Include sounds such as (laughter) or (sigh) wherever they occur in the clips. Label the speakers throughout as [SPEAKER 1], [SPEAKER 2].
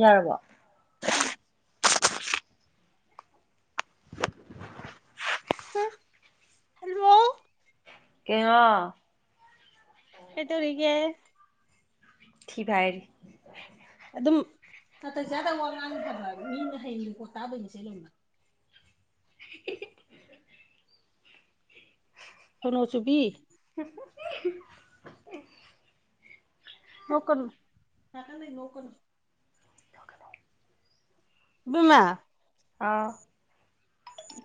[SPEAKER 1] ꯌꯥꯔꯕꯣ
[SPEAKER 2] ꯎꯝ ꯍꯜꯂꯣ
[SPEAKER 1] ꯀꯩꯅꯣ
[SPEAKER 2] ꯀꯩ ꯇꯧꯔꯤꯒꯦ
[SPEAKER 1] ꯤ ꯚꯔ
[SPEAKER 2] ꯑꯗꯨꯝ ꯐꯇ ꯆꯥꯗ ꯋꯥ ꯉꯥꯡꯅ ꯐꯕ ꯃꯤꯅ ꯍꯌꯦꯡꯗꯀꯣ ꯇꯥꯕꯣꯏꯅꯤꯁꯦꯣꯏ ꯀꯩꯅꯣꯁꯨꯨꯕꯤ
[SPEAKER 1] (inaudible)
[SPEAKER 2] ꯅꯨꯀꯅꯨ ꯍ ꯀ ꯅꯅ ꯕꯤꯃꯥ
[SPEAKER 1] ꯑꯥ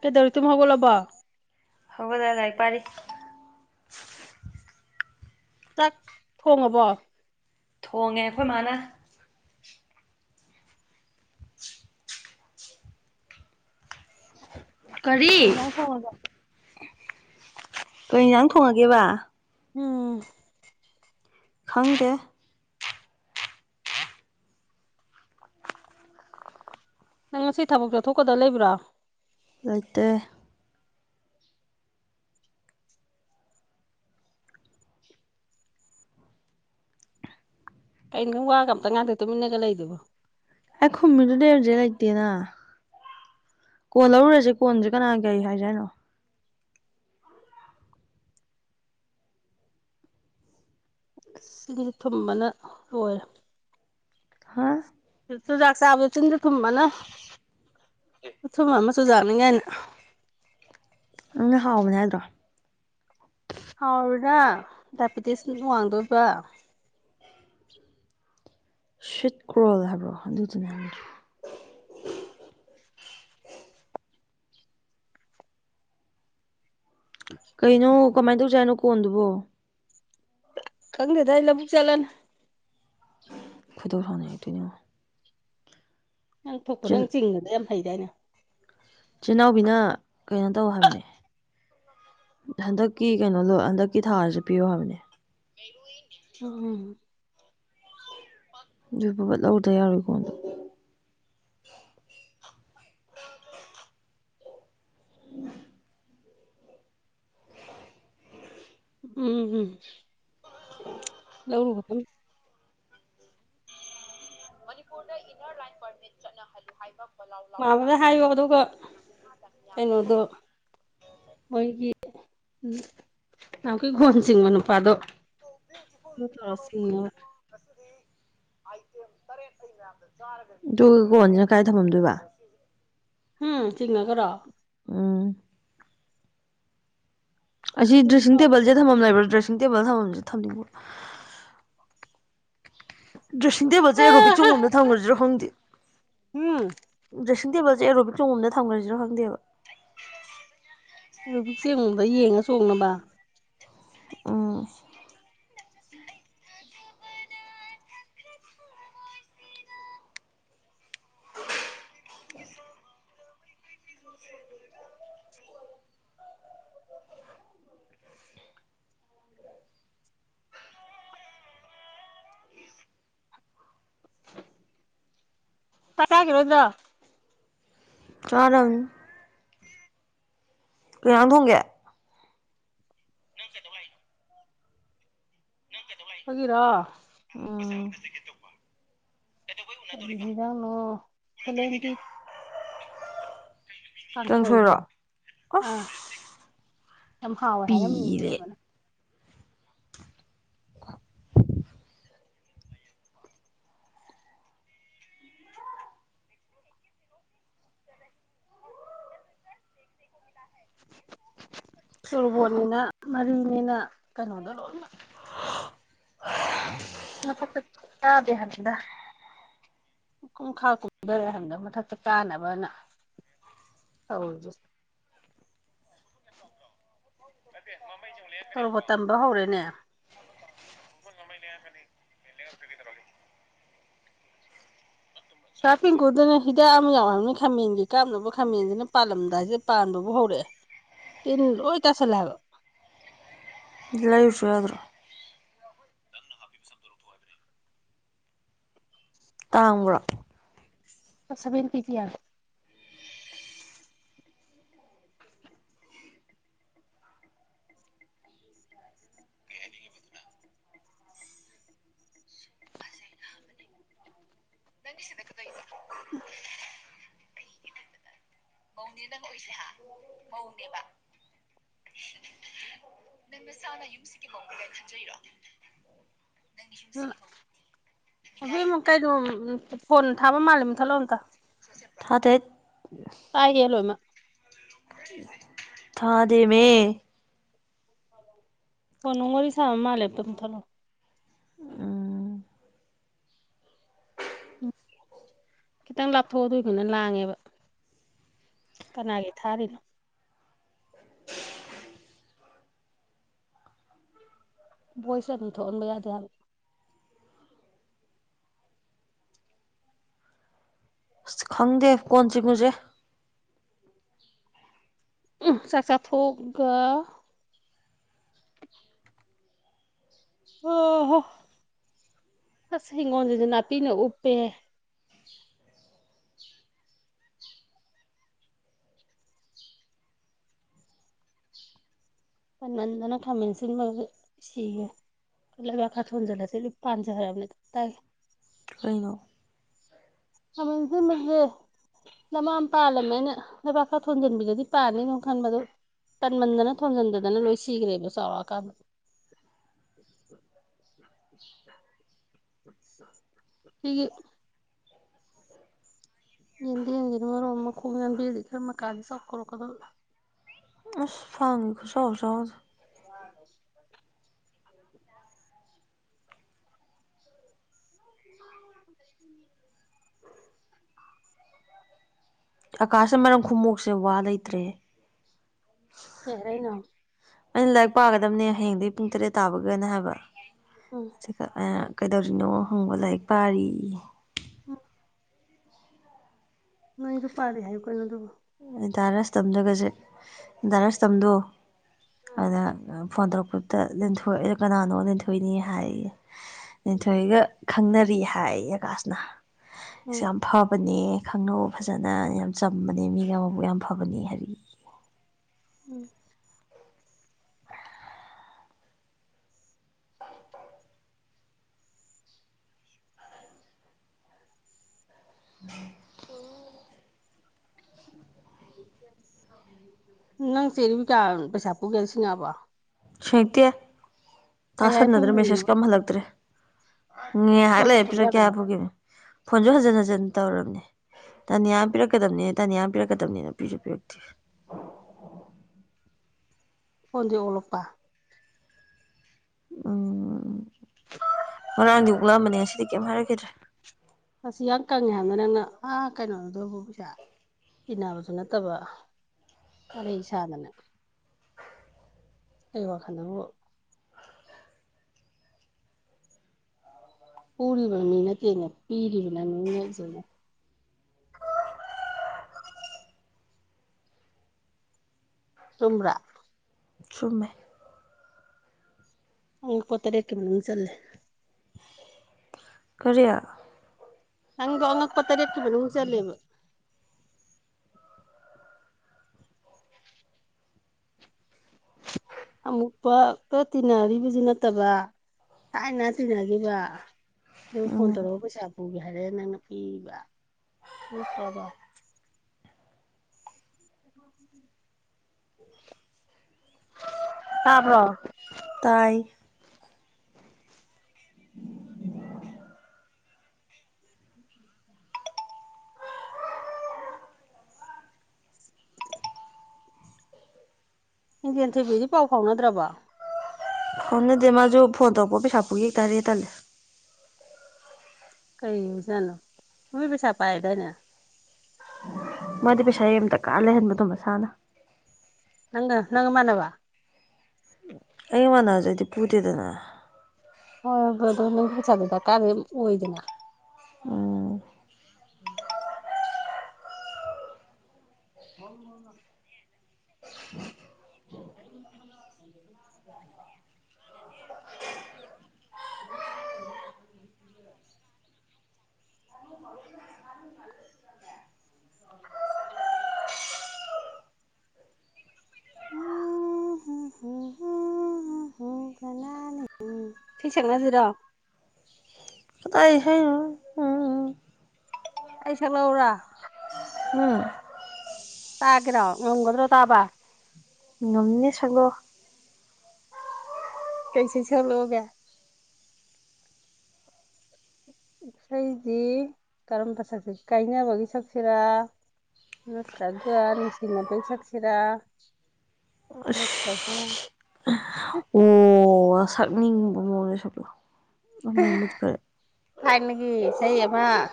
[SPEAKER 2] ꯀꯦ ꯗꯔꯤ ꯇꯨꯨꯝ ꯍꯒꯣ ꯂꯣ
[SPEAKER 1] ꯍꯧꯒꯗꯗꯥꯏ ꯄꯥꯔꯤ
[SPEAKER 2] ꯆꯥꯛ ꯊꯣꯡꯉꯕꯣ
[SPEAKER 1] ꯊꯣꯡꯉꯦ ꯑꯩꯈꯣꯏ ꯃꯥꯅ (unintelligible) ꯀꯔꯤ
[SPEAKER 2] ꯀꯩ ꯏꯟꯖꯥꯡ ꯊꯣꯡꯉꯒꯦ
[SPEAKER 1] ꯀꯩ ꯌꯦꯟꯖꯥꯡ ꯊꯣꯡꯉꯒꯦꯕ
[SPEAKER 2] ꯎꯝ
[SPEAKER 1] ꯈꯪꯗꯦ
[SPEAKER 2] ꯅꯪ ꯉꯁꯤ ꯊꯕꯛ ꯆꯠꯊꯣꯛꯀꯗꯕ ꯂꯩꯕ꯭ꯔꯣ
[SPEAKER 1] ꯑꯇꯩ
[SPEAKER 2] ꯀꯩꯅꯣ ꯋꯥꯒ ꯑꯝꯇ ꯉꯗꯦ ꯇꯨꯃꯤꯟꯅꯒ ꯂꯩꯗꯨꯕꯨ
[SPEAKER 1] ꯑꯦ ꯈꯨꯝꯃꯤꯗꯨ ꯗꯦꯔꯖ ꯂ ꯂꯩꯇꯦꯅ ꯀꯣꯟ ꯂꯧꯔꯨꯔꯁꯦ ꯀꯣꯟꯁꯦ ꯀꯅꯥ ꯀꯩ ꯍꯥꯏꯁ ꯍꯥꯏꯅꯣ
[SPEAKER 2] ꯁꯤꯒꯤꯁꯦ ꯊꯨꯝꯕꯅ ꯂꯣꯏꯔꯦ
[SPEAKER 1] ꯍꯥꯥ
[SPEAKER 2] ꯆꯨꯖꯥꯛ ꯆꯥꯕꯗ ꯆꯤꯟꯗ ꯊꯨꯝꯕꯅ ꯊꯨꯝ ꯑꯃ ꯆꯨꯖꯥꯛꯅꯤꯉꯥꯏꯅ
[SPEAKER 1] ꯅꯪꯅ ꯍꯥꯎꯕꯅꯦ ꯍꯥꯏꯗ꯭ꯔꯣ
[SPEAKER 2] ꯍꯥꯎꯔ ꯗꯥꯏꯕꯤꯇꯤꯁ ꯋꯥꯡꯗꯣꯏꯕ꯭ꯔ
[SPEAKER 1] ꯁꯦꯠꯀ꯭ꯔꯣꯜ ꯍꯥꯏꯕ꯭ꯔꯣ ꯑꯗꯨꯗꯨꯅ ꯍꯥꯏ
[SPEAKER 2] ꯎꯝ
[SPEAKER 1] ꯀꯩꯅꯣ ꯀꯃꯥꯏꯅ ꯇꯧꯁꯥꯏꯅꯣ ꯀꯣꯟꯗꯨꯕꯣ
[SPEAKER 2] ꯈꯪꯗꯦꯗ ꯏꯂ ꯄꯨꯕꯨꯛ ꯆꯂꯅ
[SPEAKER 1] ꯐꯩꯗꯧ ꯍꯥꯟ ꯏꯗꯤꯅ
[SPEAKER 2] ꯅꯪ ꯊꯣꯛꯄ
[SPEAKER 1] ꯆꯤꯟ
[SPEAKER 2] ꯅꯪ ꯆꯤꯡꯕꯗ ꯌꯥꯝ ꯍꯩꯗꯤ ꯍꯥꯏꯅ
[SPEAKER 1] ꯏꯆꯤꯜ ꯏꯅꯥꯎꯕꯤꯅ ꯀꯩꯅꯣ ꯇꯧ ꯍꯥꯏꯕꯅꯦ ꯍꯟꯗꯛꯀꯤ ꯀꯩꯅꯣ ꯂꯣ ꯍꯟꯗꯛꯀꯤ ꯊꯥꯔꯁꯨ ꯄꯤꯌꯣ ꯍꯥꯏꯕꯅꯦ
[SPEAKER 2] ꯎꯝ ꯎꯝ
[SPEAKER 1] ꯑꯗꯨꯏ ꯐꯕ ꯂ ꯂꯧꯗ ꯌꯥꯔꯣꯏꯀꯣ ꯑꯗꯣ ꯎꯝ
[SPEAKER 2] ꯎꯝ ꯎꯝ ꯂꯧꯔꯨꯕꯊꯝ
[SPEAKER 1] ꯨꯔꯗ ꯏꯟꯅꯔ ꯂꯥꯏꯟ ꯄꯔꯃꯤꯠ ꯆꯠꯅꯍꯜꯂꯨ ꯍꯥꯏꯕ ꯂꯥꯎ ꯂꯥꯎ
[SPEAKER 2] ꯃꯥꯝꯃꯗ ꯍꯥꯏꯌꯣ ꯑꯗꯨꯒ ꯀꯩꯅꯣꯗꯣ ꯎꯝ ꯅꯍꯥꯛꯀꯤ ꯒꯣꯟ ꯆꯤꯡꯕ ꯅꯨꯄꯥꯗꯣ ꯑ ꯇꯁꯤ
[SPEAKER 1] ꯑꯗꯨꯒ ꯀꯣꯟꯁꯤꯅ ꯀꯗꯥꯥꯏ ꯊꯝꯃꯝꯗꯣꯏꯕ
[SPEAKER 2] ꯎꯝ ꯆꯤꯡꯉ ꯈ꯭ꯔꯣ
[SPEAKER 1] ꯎꯥ ꯑꯁꯤ ꯗ꯭ꯔꯦꯁꯤꯡ ꯇꯦꯕꯜꯁꯦ ꯊꯝꯃꯝ ꯂꯩꯕ꯭ꯔꯣ ꯗ꯭ꯔꯦꯁꯤꯡ ꯇꯦꯕꯜ ꯊꯝꯝꯁꯦ ꯊꯝꯅꯤꯡꯕ꯭ꯔꯣ ꯗ꯭ꯔꯦꯁꯤꯡ ꯇꯦꯕꯜꯁꯦ ꯔꯣꯕꯤꯛ ꯆꯣꯡꯒꯣꯝꯗ ꯊꯝꯈ꯭ꯔꯁꯤꯔꯣ ꯈꯪꯗꯦ
[SPEAKER 2] ꯍꯨꯝ
[SPEAKER 1] ꯁꯤꯡ ꯇꯦꯕꯁꯦ ꯑꯦꯔꯣꯕꯤꯛꯣꯡꯣꯝꯗ ꯊꯝꯈꯁꯤꯁꯨ ꯈꯪꯗꯦꯕ
[SPEAKER 2] ꯅꯨꯄꯤꯛꯁꯦꯡꯉꯣꯝꯗ ꯌꯦꯡꯉ ꯆꯣꯡꯅꯕ
[SPEAKER 1] ꯑ
[SPEAKER 2] ꯆꯠꯒꯤꯔꯗ
[SPEAKER 1] ꯆꯔꯝ ꯉꯔꯥꯡ ꯊꯣꯡꯒꯦ
[SPEAKER 2] ꯍꯒꯤꯔꯥ
[SPEAKER 1] ꯑꯣꯝ
[SPEAKER 2] ꯉꯗꯥꯅ ꯐꯂꯗꯤ
[SPEAKER 1] ꯆꯪ
[SPEAKER 2] ꯀꯥꯡꯁꯣꯏꯗꯣ
[SPEAKER 1] ꯁꯣꯏꯔꯣ ꯑꯁ
[SPEAKER 2] ꯑꯥ ꯌꯥꯝ ꯍꯥꯎꯋꯏ
[SPEAKER 1] ꯄꯤꯔꯦ
[SPEAKER 2] ꯍꯥꯏꯔ ꯇꯣꯔꯕꯣꯟꯅꯤꯅ ꯃꯔꯤꯅꯤꯅ ꯀꯩꯅꯣꯗ ꯂꯣꯏꯃꯛ ꯃꯕꯤ ꯍꯥꯏꯔꯗ ꯀꯨꯡꯈꯥ ꯀꯨꯝꯊꯔꯦ ꯍꯟꯗꯣ ꯃꯊꯛꯇ ꯀꯥꯅꯕꯅ ꯍꯧ ꯇꯔꯨꯕ ꯇꯝꯕ ꯍꯧꯔꯦꯅꯦ
[SPEAKER 1] ꯂ ꯍꯥꯏꯦ ꯏꯔꯒꯗ꯭ꯔꯣꯜꯂꯤ
[SPEAKER 2] ꯆꯥꯐꯦꯟ ꯀꯨꯗꯨꯅ ꯍꯤꯗꯥꯛ ꯑꯃ ꯌꯥꯎꯍꯕꯅꯤ ꯈꯥꯃꯦꯟꯒꯤ ꯀꯥꯞꯅꯕ ꯈꯥꯃꯦꯟꯗꯨꯅ ꯄꯥꯜꯂꯝꯗꯥꯏꯁꯤꯗ ꯄꯥꯟꯕꯕꯨ ꯍꯧꯔꯛꯑꯦ ꯇꯤꯟ ꯑꯣꯏ ꯏꯇꯥ ꯆꯂꯦ ꯑꯒꯣ
[SPEAKER 1] ꯂꯥꯏꯐꯁꯨ ꯌꯥꯣ ꯇꯥꯡꯕ꯭ꯔꯣ
[SPEAKER 2] ꯁꯕꯦꯟ ꯄꯤꯖꯤ ꯌꯥ ꯑ
[SPEAKER 1] ꯗꯪ ꯑꯣꯏꯁꯦ ꯍꯥ ꯍꯧꯗꯦꯕ ꯅꯪ ꯃꯁꯥꯅ ꯌꯨꯝꯁꯤꯒꯤ ꯃꯑꯣꯡꯗꯩꯅ ꯈꯟꯖꯩꯔꯣ
[SPEAKER 2] ꯍꯧꯕꯤꯛ ꯑꯃꯨꯛ ꯀꯩꯩꯅꯣ ꯐꯣꯟ ꯊꯥꯕ ꯃꯥꯜꯂ ꯃꯨ ꯊꯠꯂꯛꯑꯣ ꯑꯝꯇ
[SPEAKER 1] ꯊꯗꯣꯏ
[SPEAKER 2] ꯇꯥꯏꯌꯦ ꯂꯣꯏꯃ
[SPEAKER 1] ꯎ ꯊꯥꯗ ꯃ
[SPEAKER 2] ꯍꯣ ꯅꯨꯡ ꯋꯥꯔꯤ ꯁꯥꯕ ꯃꯥꯜꯂꯦꯕꯇꯝ ꯊꯠꯂꯣ
[SPEAKER 1] ꯎꯝ
[SPEAKER 2] ꯎꯝ ꯈꯤꯇꯪ ꯂꯥꯞꯊꯣꯛꯑꯗꯣꯏꯈꯅ ꯂꯥꯡꯉꯦꯕ ꯀꯅꯥꯒꯤ ꯊꯥꯔꯤꯅꯣ ꯕꯣꯏꯁ ꯑꯗꯨꯝ ꯊꯣꯛꯍꯟꯕ ꯌꯥꯗꯦ ꯍꯥꯏꯕ
[SPEAKER 1] ꯑꯁ ꯈꯪꯗꯦ ꯀꯣꯟ ꯆ ꯃꯨꯁꯦ
[SPEAKER 2] ꯆꯥꯛ ꯆꯥꯊꯣꯛꯑꯒ ꯑꯣ ꯍꯣ ꯑꯁ ꯍꯤꯡꯈꯣꯜꯁꯤꯁꯨ ꯅꯥꯄꯤꯅ ꯎꯞꯄꯦ ꯄ ꯅꯟꯗꯅ ꯈꯥꯃꯦꯟꯁꯤꯕ ꯁꯤꯒ ꯀ ꯈꯥ ꯊꯣꯟꯖꯂꯦ ꯄꯥꯟꯁꯦ ꯈꯔꯅꯦ ꯇ ꯇꯥꯏ
[SPEAKER 1] ꯀꯩꯅꯣ
[SPEAKER 2] ꯁꯖ ꯃꯦ (unintelligible) ꯅꯃꯥ ꯑꯃ ꯄꯥꯜꯂꯝꯃꯦ ꯑꯩꯅ ꯂꯩꯕꯥꯛ ꯈꯔ ꯊꯣꯟꯖꯟꯕꯤꯗꯗꯤ ꯄꯥꯅꯤꯩꯅꯣ ꯈꯟꯕꯗꯣ ꯇꯟꯃꯟꯗꯅ ꯊꯣꯝꯖꯤꯟꯗꯗꯅ ꯂꯣꯏ ꯁꯤꯈ꯭ꯔꯦꯕ ꯆꯥꯎꯔꯛꯑꯀꯥꯟꯗ ꯁꯤꯒꯤ ꯌꯦꯟꯗ ꯌꯦꯦꯟꯒꯤꯅ ꯃꯔꯣ ꯃꯈꯣꯡ ꯉꯟꯕꯤꯗꯤ ꯈꯔ ꯃꯈꯥꯗꯤ ꯁꯛꯈꯧꯔꯛꯀꯗꯧ
[SPEAKER 1] ꯐꯉ ꯈꯨꯁꯨ ꯍꯧ ꯆꯥꯎꯗ
[SPEAKER 2] (inaudible) (inaudible)
[SPEAKER 1] ꯑꯀꯥꯁꯅ ꯃꯔꯝ ꯈꯃꯣꯛꯁꯦ ꯋꯥ ꯂꯩꯇ꯭ꯔꯦ
[SPEAKER 2] ꯀꯦꯔꯅꯣ
[SPEAKER 1] ꯑꯩꯅ ꯂꯥꯏꯔꯤꯛ ꯄꯥꯒꯗꯕꯅꯦ ꯍꯌꯦꯡꯗꯒꯤꯩ ꯄꯨꯡ ꯇꯔꯦꯠ ꯇꯥꯕꯒꯅ ꯍꯥꯏꯕ
[SPEAKER 2] ꯑꯥ
[SPEAKER 1] ꯩ ꯀꯩꯗꯧꯔꯤꯅꯣ ꯍꯪꯕ ꯂꯥꯏꯔꯤꯛ ꯄꯥꯔꯤ
[SPEAKER 2] ꯎ ꯅꯣꯏꯁꯨ ꯄꯥꯔꯦ ꯍꯥꯏꯌꯨ ꯀꯩꯅꯣ ꯑꯗꯨꯕꯨꯣ
[SPEAKER 1] ꯏꯟꯇꯥꯔꯁ ꯇꯝꯖꯒꯁꯦ ꯏꯟꯇꯥꯔꯁ ꯇꯝꯗꯣ
[SPEAKER 2] ꯎꯝ
[SPEAKER 1] ꯑꯗ ꯐꯣꯟ ꯇꯧꯔꯛꯄꯗꯨꯗ ꯂꯦꯟꯊꯣꯛꯑꯦ ꯀꯅꯥꯅꯣ ꯂꯦꯟꯊꯣꯛꯏꯅꯤ ꯍꯥꯏꯌꯦ ꯅꯤꯊꯣꯏꯒ ꯈꯪꯅꯔꯤ ꯍꯥꯏ ꯌꯥꯀꯥꯁꯅ ꯁ
[SPEAKER 2] ꯎꯝ
[SPEAKER 1] ꯌꯥꯝ ꯐꯕꯅꯦ ꯈꯪꯅꯧ ꯐꯖꯅ ꯌꯥꯝ ꯆꯝꯕꯅꯦ ꯃꯤ ꯎꯕꯨ ꯌꯥꯝ ꯐꯕꯅꯤ ꯍꯥꯏꯔꯤꯗꯤ
[SPEAKER 2] ꯎꯝ
[SPEAKER 1] ꯑ (unintelligible)
[SPEAKER 2] ꯅꯪ ꯆꯦꯔꯤꯕ ꯀꯥ ꯄꯩꯁꯥ ꯄꯨꯒꯦ ꯁꯤꯅꯕ
[SPEAKER 1] ꯁꯣꯏꯇꯦ
[SPEAKER 2] ꯀꯩ ꯍꯥꯏ
[SPEAKER 1] ꯇꯥꯁꯟꯅꯗ꯭ꯔꯦ
[SPEAKER 2] ꯄꯨꯔꯤꯅꯣ
[SPEAKER 1] ꯃꯦꯁꯦꯁ ꯀꯝꯍꯜꯂꯛꯇ꯭ꯔꯦ ꯍꯉꯦꯥꯏꯍꯥꯛ
[SPEAKER 2] ꯐꯣꯟ
[SPEAKER 1] ꯂꯩꯔꯦ
[SPEAKER 2] ꯇꯧꯁꯜꯂꯨ
[SPEAKER 1] ꯄꯤꯔꯣ
[SPEAKER 2] ꯌꯥꯗ꯭ꯔꯣ
[SPEAKER 1] ꯀꯌꯥꯕꯨꯒꯤꯅꯣ ꯐꯣꯟꯁꯨ ꯍꯟꯖꯤꯟ ꯍꯖꯤꯟ ꯇꯧꯔꯕꯅꯦ ꯇꯟ ꯌꯥꯝ ꯄꯤꯔꯛꯀꯗꯕꯅꯤ ꯇꯟ ꯌꯥꯝ ꯄꯤꯔꯛꯀꯕꯅꯤꯅ ꯅꯨꯄꯤꯁꯨ ꯄꯤꯔꯛꯇꯦ
[SPEAKER 2] ꯍꯣꯟꯗꯤ ꯑꯣꯂꯛꯄꯥ
[SPEAKER 1] ꯎꯝ ꯉꯔꯥꯡꯗꯤ ꯎꯛꯂꯛꯑꯝꯕꯅꯦ ꯉꯁꯤꯗꯤ ꯀꯩꯝ ꯍꯥꯏꯔꯛꯈꯤꯗ꯭ꯔꯦ
[SPEAKER 2] ꯑꯁꯤꯁꯤ ꯌꯥꯝ ꯀꯪꯉꯦ ꯍꯥꯏꯕꯗ ꯅꯪꯅ ꯑꯥ ꯀꯩꯅꯣꯗꯨꯗꯕꯨ ꯄꯩꯁꯥ ꯇꯤꯟꯅꯅꯕꯁꯨ ꯅꯠꯇꯕ ꯋꯥꯔꯤꯔꯩ ꯁꯥꯥꯗꯅ ꯑꯩ ꯋꯥꯈꯜꯗꯕꯨ ꯄꯨꯔꯤꯕ ꯃꯤ ꯅꯠꯇꯦꯅꯦ ꯄꯤꯔꯤꯕꯅ ꯃꯤꯅꯖꯅꯦ ꯇꯨꯝ꯭ꯔꯥ
[SPEAKER 1] ꯁꯨꯝꯃꯦ
[SPEAKER 2] ꯑꯪ ꯄꯣꯄꯥ ꯇꯔꯦꯠꯀꯤ ꯃꯅꯨꯡ ꯆꯜꯂꯤꯜꯂꯦ
[SPEAKER 1] ꯀꯔꯤ
[SPEAKER 2] ꯅꯪ ꯑꯣꯉꯛꯄꯇꯥꯔ ꯔꯦꯈꯤꯕꯕꯅꯤ ꯎ ꯆꯜꯂꯦꯕꯣ ꯑꯃꯨꯛ ꯄꯛꯇ ꯇꯤꯟꯅꯔꯤꯕꯁꯨ ꯅꯠꯇꯕ ꯊꯥꯏꯅ ꯇꯤꯟꯅꯈꯤꯕ ꯑꯗꯨꯒ ꯐꯣꯟ
[SPEAKER 1] ꯎꯝ
[SPEAKER 2] ꯇꯧꯔꯒ ꯄꯩꯁꯥ ꯄꯨꯒꯦ ꯍꯥꯏꯔꯦ ꯅꯪꯅ ꯄꯤꯕ ꯅꯠꯇ꯭ꯔꯣꯒꯣ ꯎ ꯇꯥꯕ꯭ꯔꯣ
[SPEAKER 1] ꯇꯥꯏ
[SPEAKER 2] ꯏꯟꯗꯤꯟ ꯇꯤꯚꯤꯗꯤ ꯄꯥꯎ ꯐꯥꯎꯅꯗ꯭ꯔꯕ
[SPEAKER 1] ꯍꯅꯗꯦ ꯃꯥꯁꯨ ꯐꯣꯟ ꯇꯧꯔꯛꯄ ꯄꯩꯁꯥ ꯄꯨ ꯌꯦꯛ ꯇꯥꯔꯦ ꯇꯜꯂꯦ
[SPEAKER 2] ꯀꯩ ꯁꯅꯣ ꯃꯃꯤ ꯄꯩꯁꯥ ꯄꯥꯏꯗꯅꯦ
[SPEAKER 1] ꯃꯥꯗꯤ ꯄꯩꯁꯥ ꯑ ꯑꯃꯇ ꯀꯥ ꯂꯩꯍꯟꯕ ꯑꯗꯨꯨꯝ ꯃꯁꯥꯅ
[SPEAKER 2] ꯅꯪ ꯅꯪ ꯃꯥꯟꯅꯕ
[SPEAKER 1] ꯑꯩꯒ ꯃꯥꯟꯅꯕꯗꯨꯗꯤ ꯄꯨꯗꯦꯗꯅ
[SPEAKER 2] ꯍꯣꯏ ꯑꯗꯨꯣ (inaudible) ꯆꯗꯗꯀꯥ ꯑꯗꯨ ꯑꯣꯏꯗꯅ
[SPEAKER 1] ꯎꯝ
[SPEAKER 2] ꯎꯝ (inaudible) ꯍꯣ ꯍꯣ (inaudible) (inaudible) ꯑꯣ ꯍꯣ ꯍꯣ (inaudible) ꯏꯁꯩ ꯁꯛꯅꯁꯤꯔꯣ
[SPEAKER 1] ꯀꯥꯗꯥꯏ ꯏꯁꯩꯅꯣꯗ
[SPEAKER 2] ꯑꯩ ꯁꯛꯂꯛꯎꯔꯥ
[SPEAKER 1] ꯎꯝ
[SPEAKER 2] ꯇꯒꯤꯔꯣ ꯉꯝꯒꯗ꯭ꯔꯣ ꯇꯥꯕ
[SPEAKER 1] ꯉꯝꯅꯤ ꯁꯛꯂꯛꯑꯣ
[SPEAKER 2] ꯀꯩ ꯢꯁꯩ ꯁꯥꯛꯂꯛꯎꯒꯦ ꯢꯁꯩꯁꯤ ꯀꯔꯝꯕꯒꯤ ꯁꯛꯁꯤꯔ ꯀꯥꯏꯅꯕꯒꯤ ꯁꯛꯁꯤꯔ ꯅꯠꯇ꯭ꯔꯥꯒ ꯅꯨꯡꯁꯤꯅꯕꯒꯤ ꯁꯥꯛꯁꯤꯔꯥ
[SPEAKER 1] ꯑꯁ
[SPEAKER 2] ꯅꯠꯇ꯭ꯔꯒ
[SPEAKER 1] ꯑꯣ ꯁꯛꯅꯤꯡꯕ ꯃꯑꯣꯡꯗ ꯁꯥꯛꯂꯛꯑꯣ ꯃꯩ ꯃꯨꯠꯈꯔꯦ
[SPEAKER 2] ꯊꯥꯢꯅꯒꯤ ꯏꯁꯩ ꯑꯃꯃ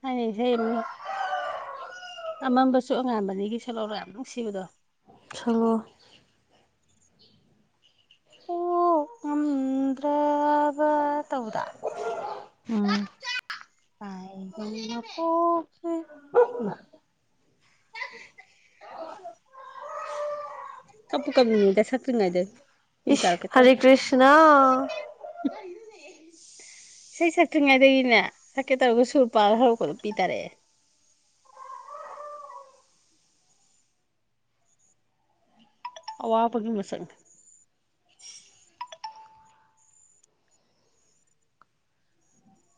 [SPEAKER 2] ꯊꯥꯏꯅꯩ ꯢꯁꯩ ꯑꯃ ꯑꯃꯝꯕꯁꯨ ꯑꯉꯥꯟꯕꯅꯤꯒꯤ ꯁꯥꯛꯂꯛꯎꯔ ꯌꯥꯝ ꯅꯨꯡꯁꯤꯕꯗꯣ
[SPEAKER 1] ꯁꯥꯛꯂꯛꯑꯣ
[SPEAKER 2] ꯀꯥꯎꯉꯝꯗ꯭ꯔꯕ ꯇꯧꯕꯗꯣ
[SPEAKER 1] ꯎꯝ
[SPEAKER 2] ꯇꯥꯏꯒꯀꯣ (inaudible) ꯀꯞꯄꯨ ꯀꯥꯞꯅꯤꯡꯢꯗ ꯁꯛꯇ꯭ꯔꯤꯉꯩꯗꯒꯤ
[SPEAKER 1] ꯏꯁ ꯍꯔꯦ ꯀ꯭ꯔꯤꯁꯅ
[SPEAKER 2] ꯏꯅꯦꯦ (inaudible) ꯏꯁꯩ ꯁꯛꯇ꯭ꯔꯤꯉꯩꯗꯒꯤꯅꯦ ꯁꯛꯀꯦ ꯇꯧꯔꯒ ꯁꯨꯔꯄꯥꯟ ꯍꯧꯔꯛꯕꯗ ꯄꯤꯥ ꯇꯔꯛꯑꯦ ꯑꯋꯥꯕꯒꯤ ꯃꯁꯛꯅꯦ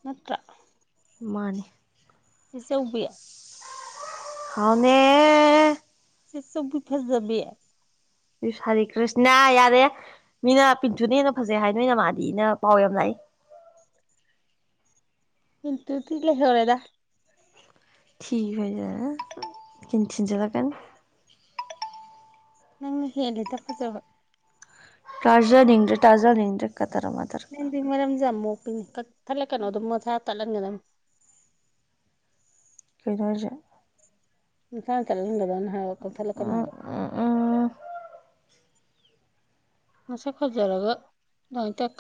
[SPEAKER 2] ꯅꯠꯇꯔ
[SPEAKER 1] ꯃꯥꯅꯦ
[SPEAKER 2] ꯆꯦꯆꯥꯎꯕꯤ
[SPEAKER 1] ꯍꯥꯎꯅꯦ
[SPEAKER 2] ꯆꯦꯆꯥꯎꯕꯤ ꯐꯖꯕꯤ
[SPEAKER 1] ꯏꯁ ꯍꯔꯤ ꯀ꯭ꯔꯤꯁꯅ ꯌꯥꯔꯦ ꯃꯤꯅ ꯄꯤꯟꯆꯨꯅ ꯍꯦꯟꯅ ꯐꯖꯩ ꯍꯥꯏ ꯅꯣꯏ ꯅꯃꯥꯗꯤꯅ ꯄꯥꯎ ꯌꯥꯝ ꯂꯥꯛꯏ
[SPEAKER 2] ꯕꯤꯟꯇꯨꯗꯤ ꯂꯩꯍꯧꯔꯦꯗ
[SPEAKER 1] ꯊꯤ ꯐꯥꯢꯖꯤꯟꯂꯛꯒꯅꯤ ꯀꯤꯟ ꯆꯤꯟꯖꯤꯟꯂꯛꯒꯅꯤ
[SPEAKER 2] ꯅꯪꯅ ꯍꯦꯜꯂꯦꯗ ꯐꯖꯕ
[SPEAKER 1] ꯇꯥꯖꯥꯅꯤꯡꯗ꯭ꯔꯦ ꯇꯥꯖꯥꯅꯤꯡꯗ꯭ꯔꯦ ꯀꯥꯗ꯭ꯔ ꯃꯥꯗ꯭ꯔ
[SPEAKER 2] ꯅꯪꯗꯤ ꯃꯔꯝꯁꯨ ꯌꯥꯝ ꯃꯣꯛꯄꯤꯅꯤ ꯀꯛ ꯊꯠꯂꯛꯀꯅꯣ ꯑꯗꯨꯝ ꯃꯁꯥ ꯇꯠꯍꯟꯒꯗꯧꯅꯤ ꯑꯗꯨꯝ
[SPEAKER 1] ꯀꯩꯅꯣ ꯍꯥꯢꯁꯦ
[SPEAKER 2] ꯃꯁꯥ ꯇꯠꯍꯥꯜꯗꯧꯅꯦ ꯍꯥꯢꯕ ꯀꯥꯛꯊꯥꯠꯂꯛꯒꯅꯣ
[SPEAKER 1] ꯎꯝ
[SPEAKER 2] ꯍꯥꯢꯕ
[SPEAKER 1] ꯎꯝ ꯎꯝ
[SPEAKER 2] ꯃꯁꯛ ꯐꯖꯔꯒ ꯅꯣꯏꯇꯥꯛ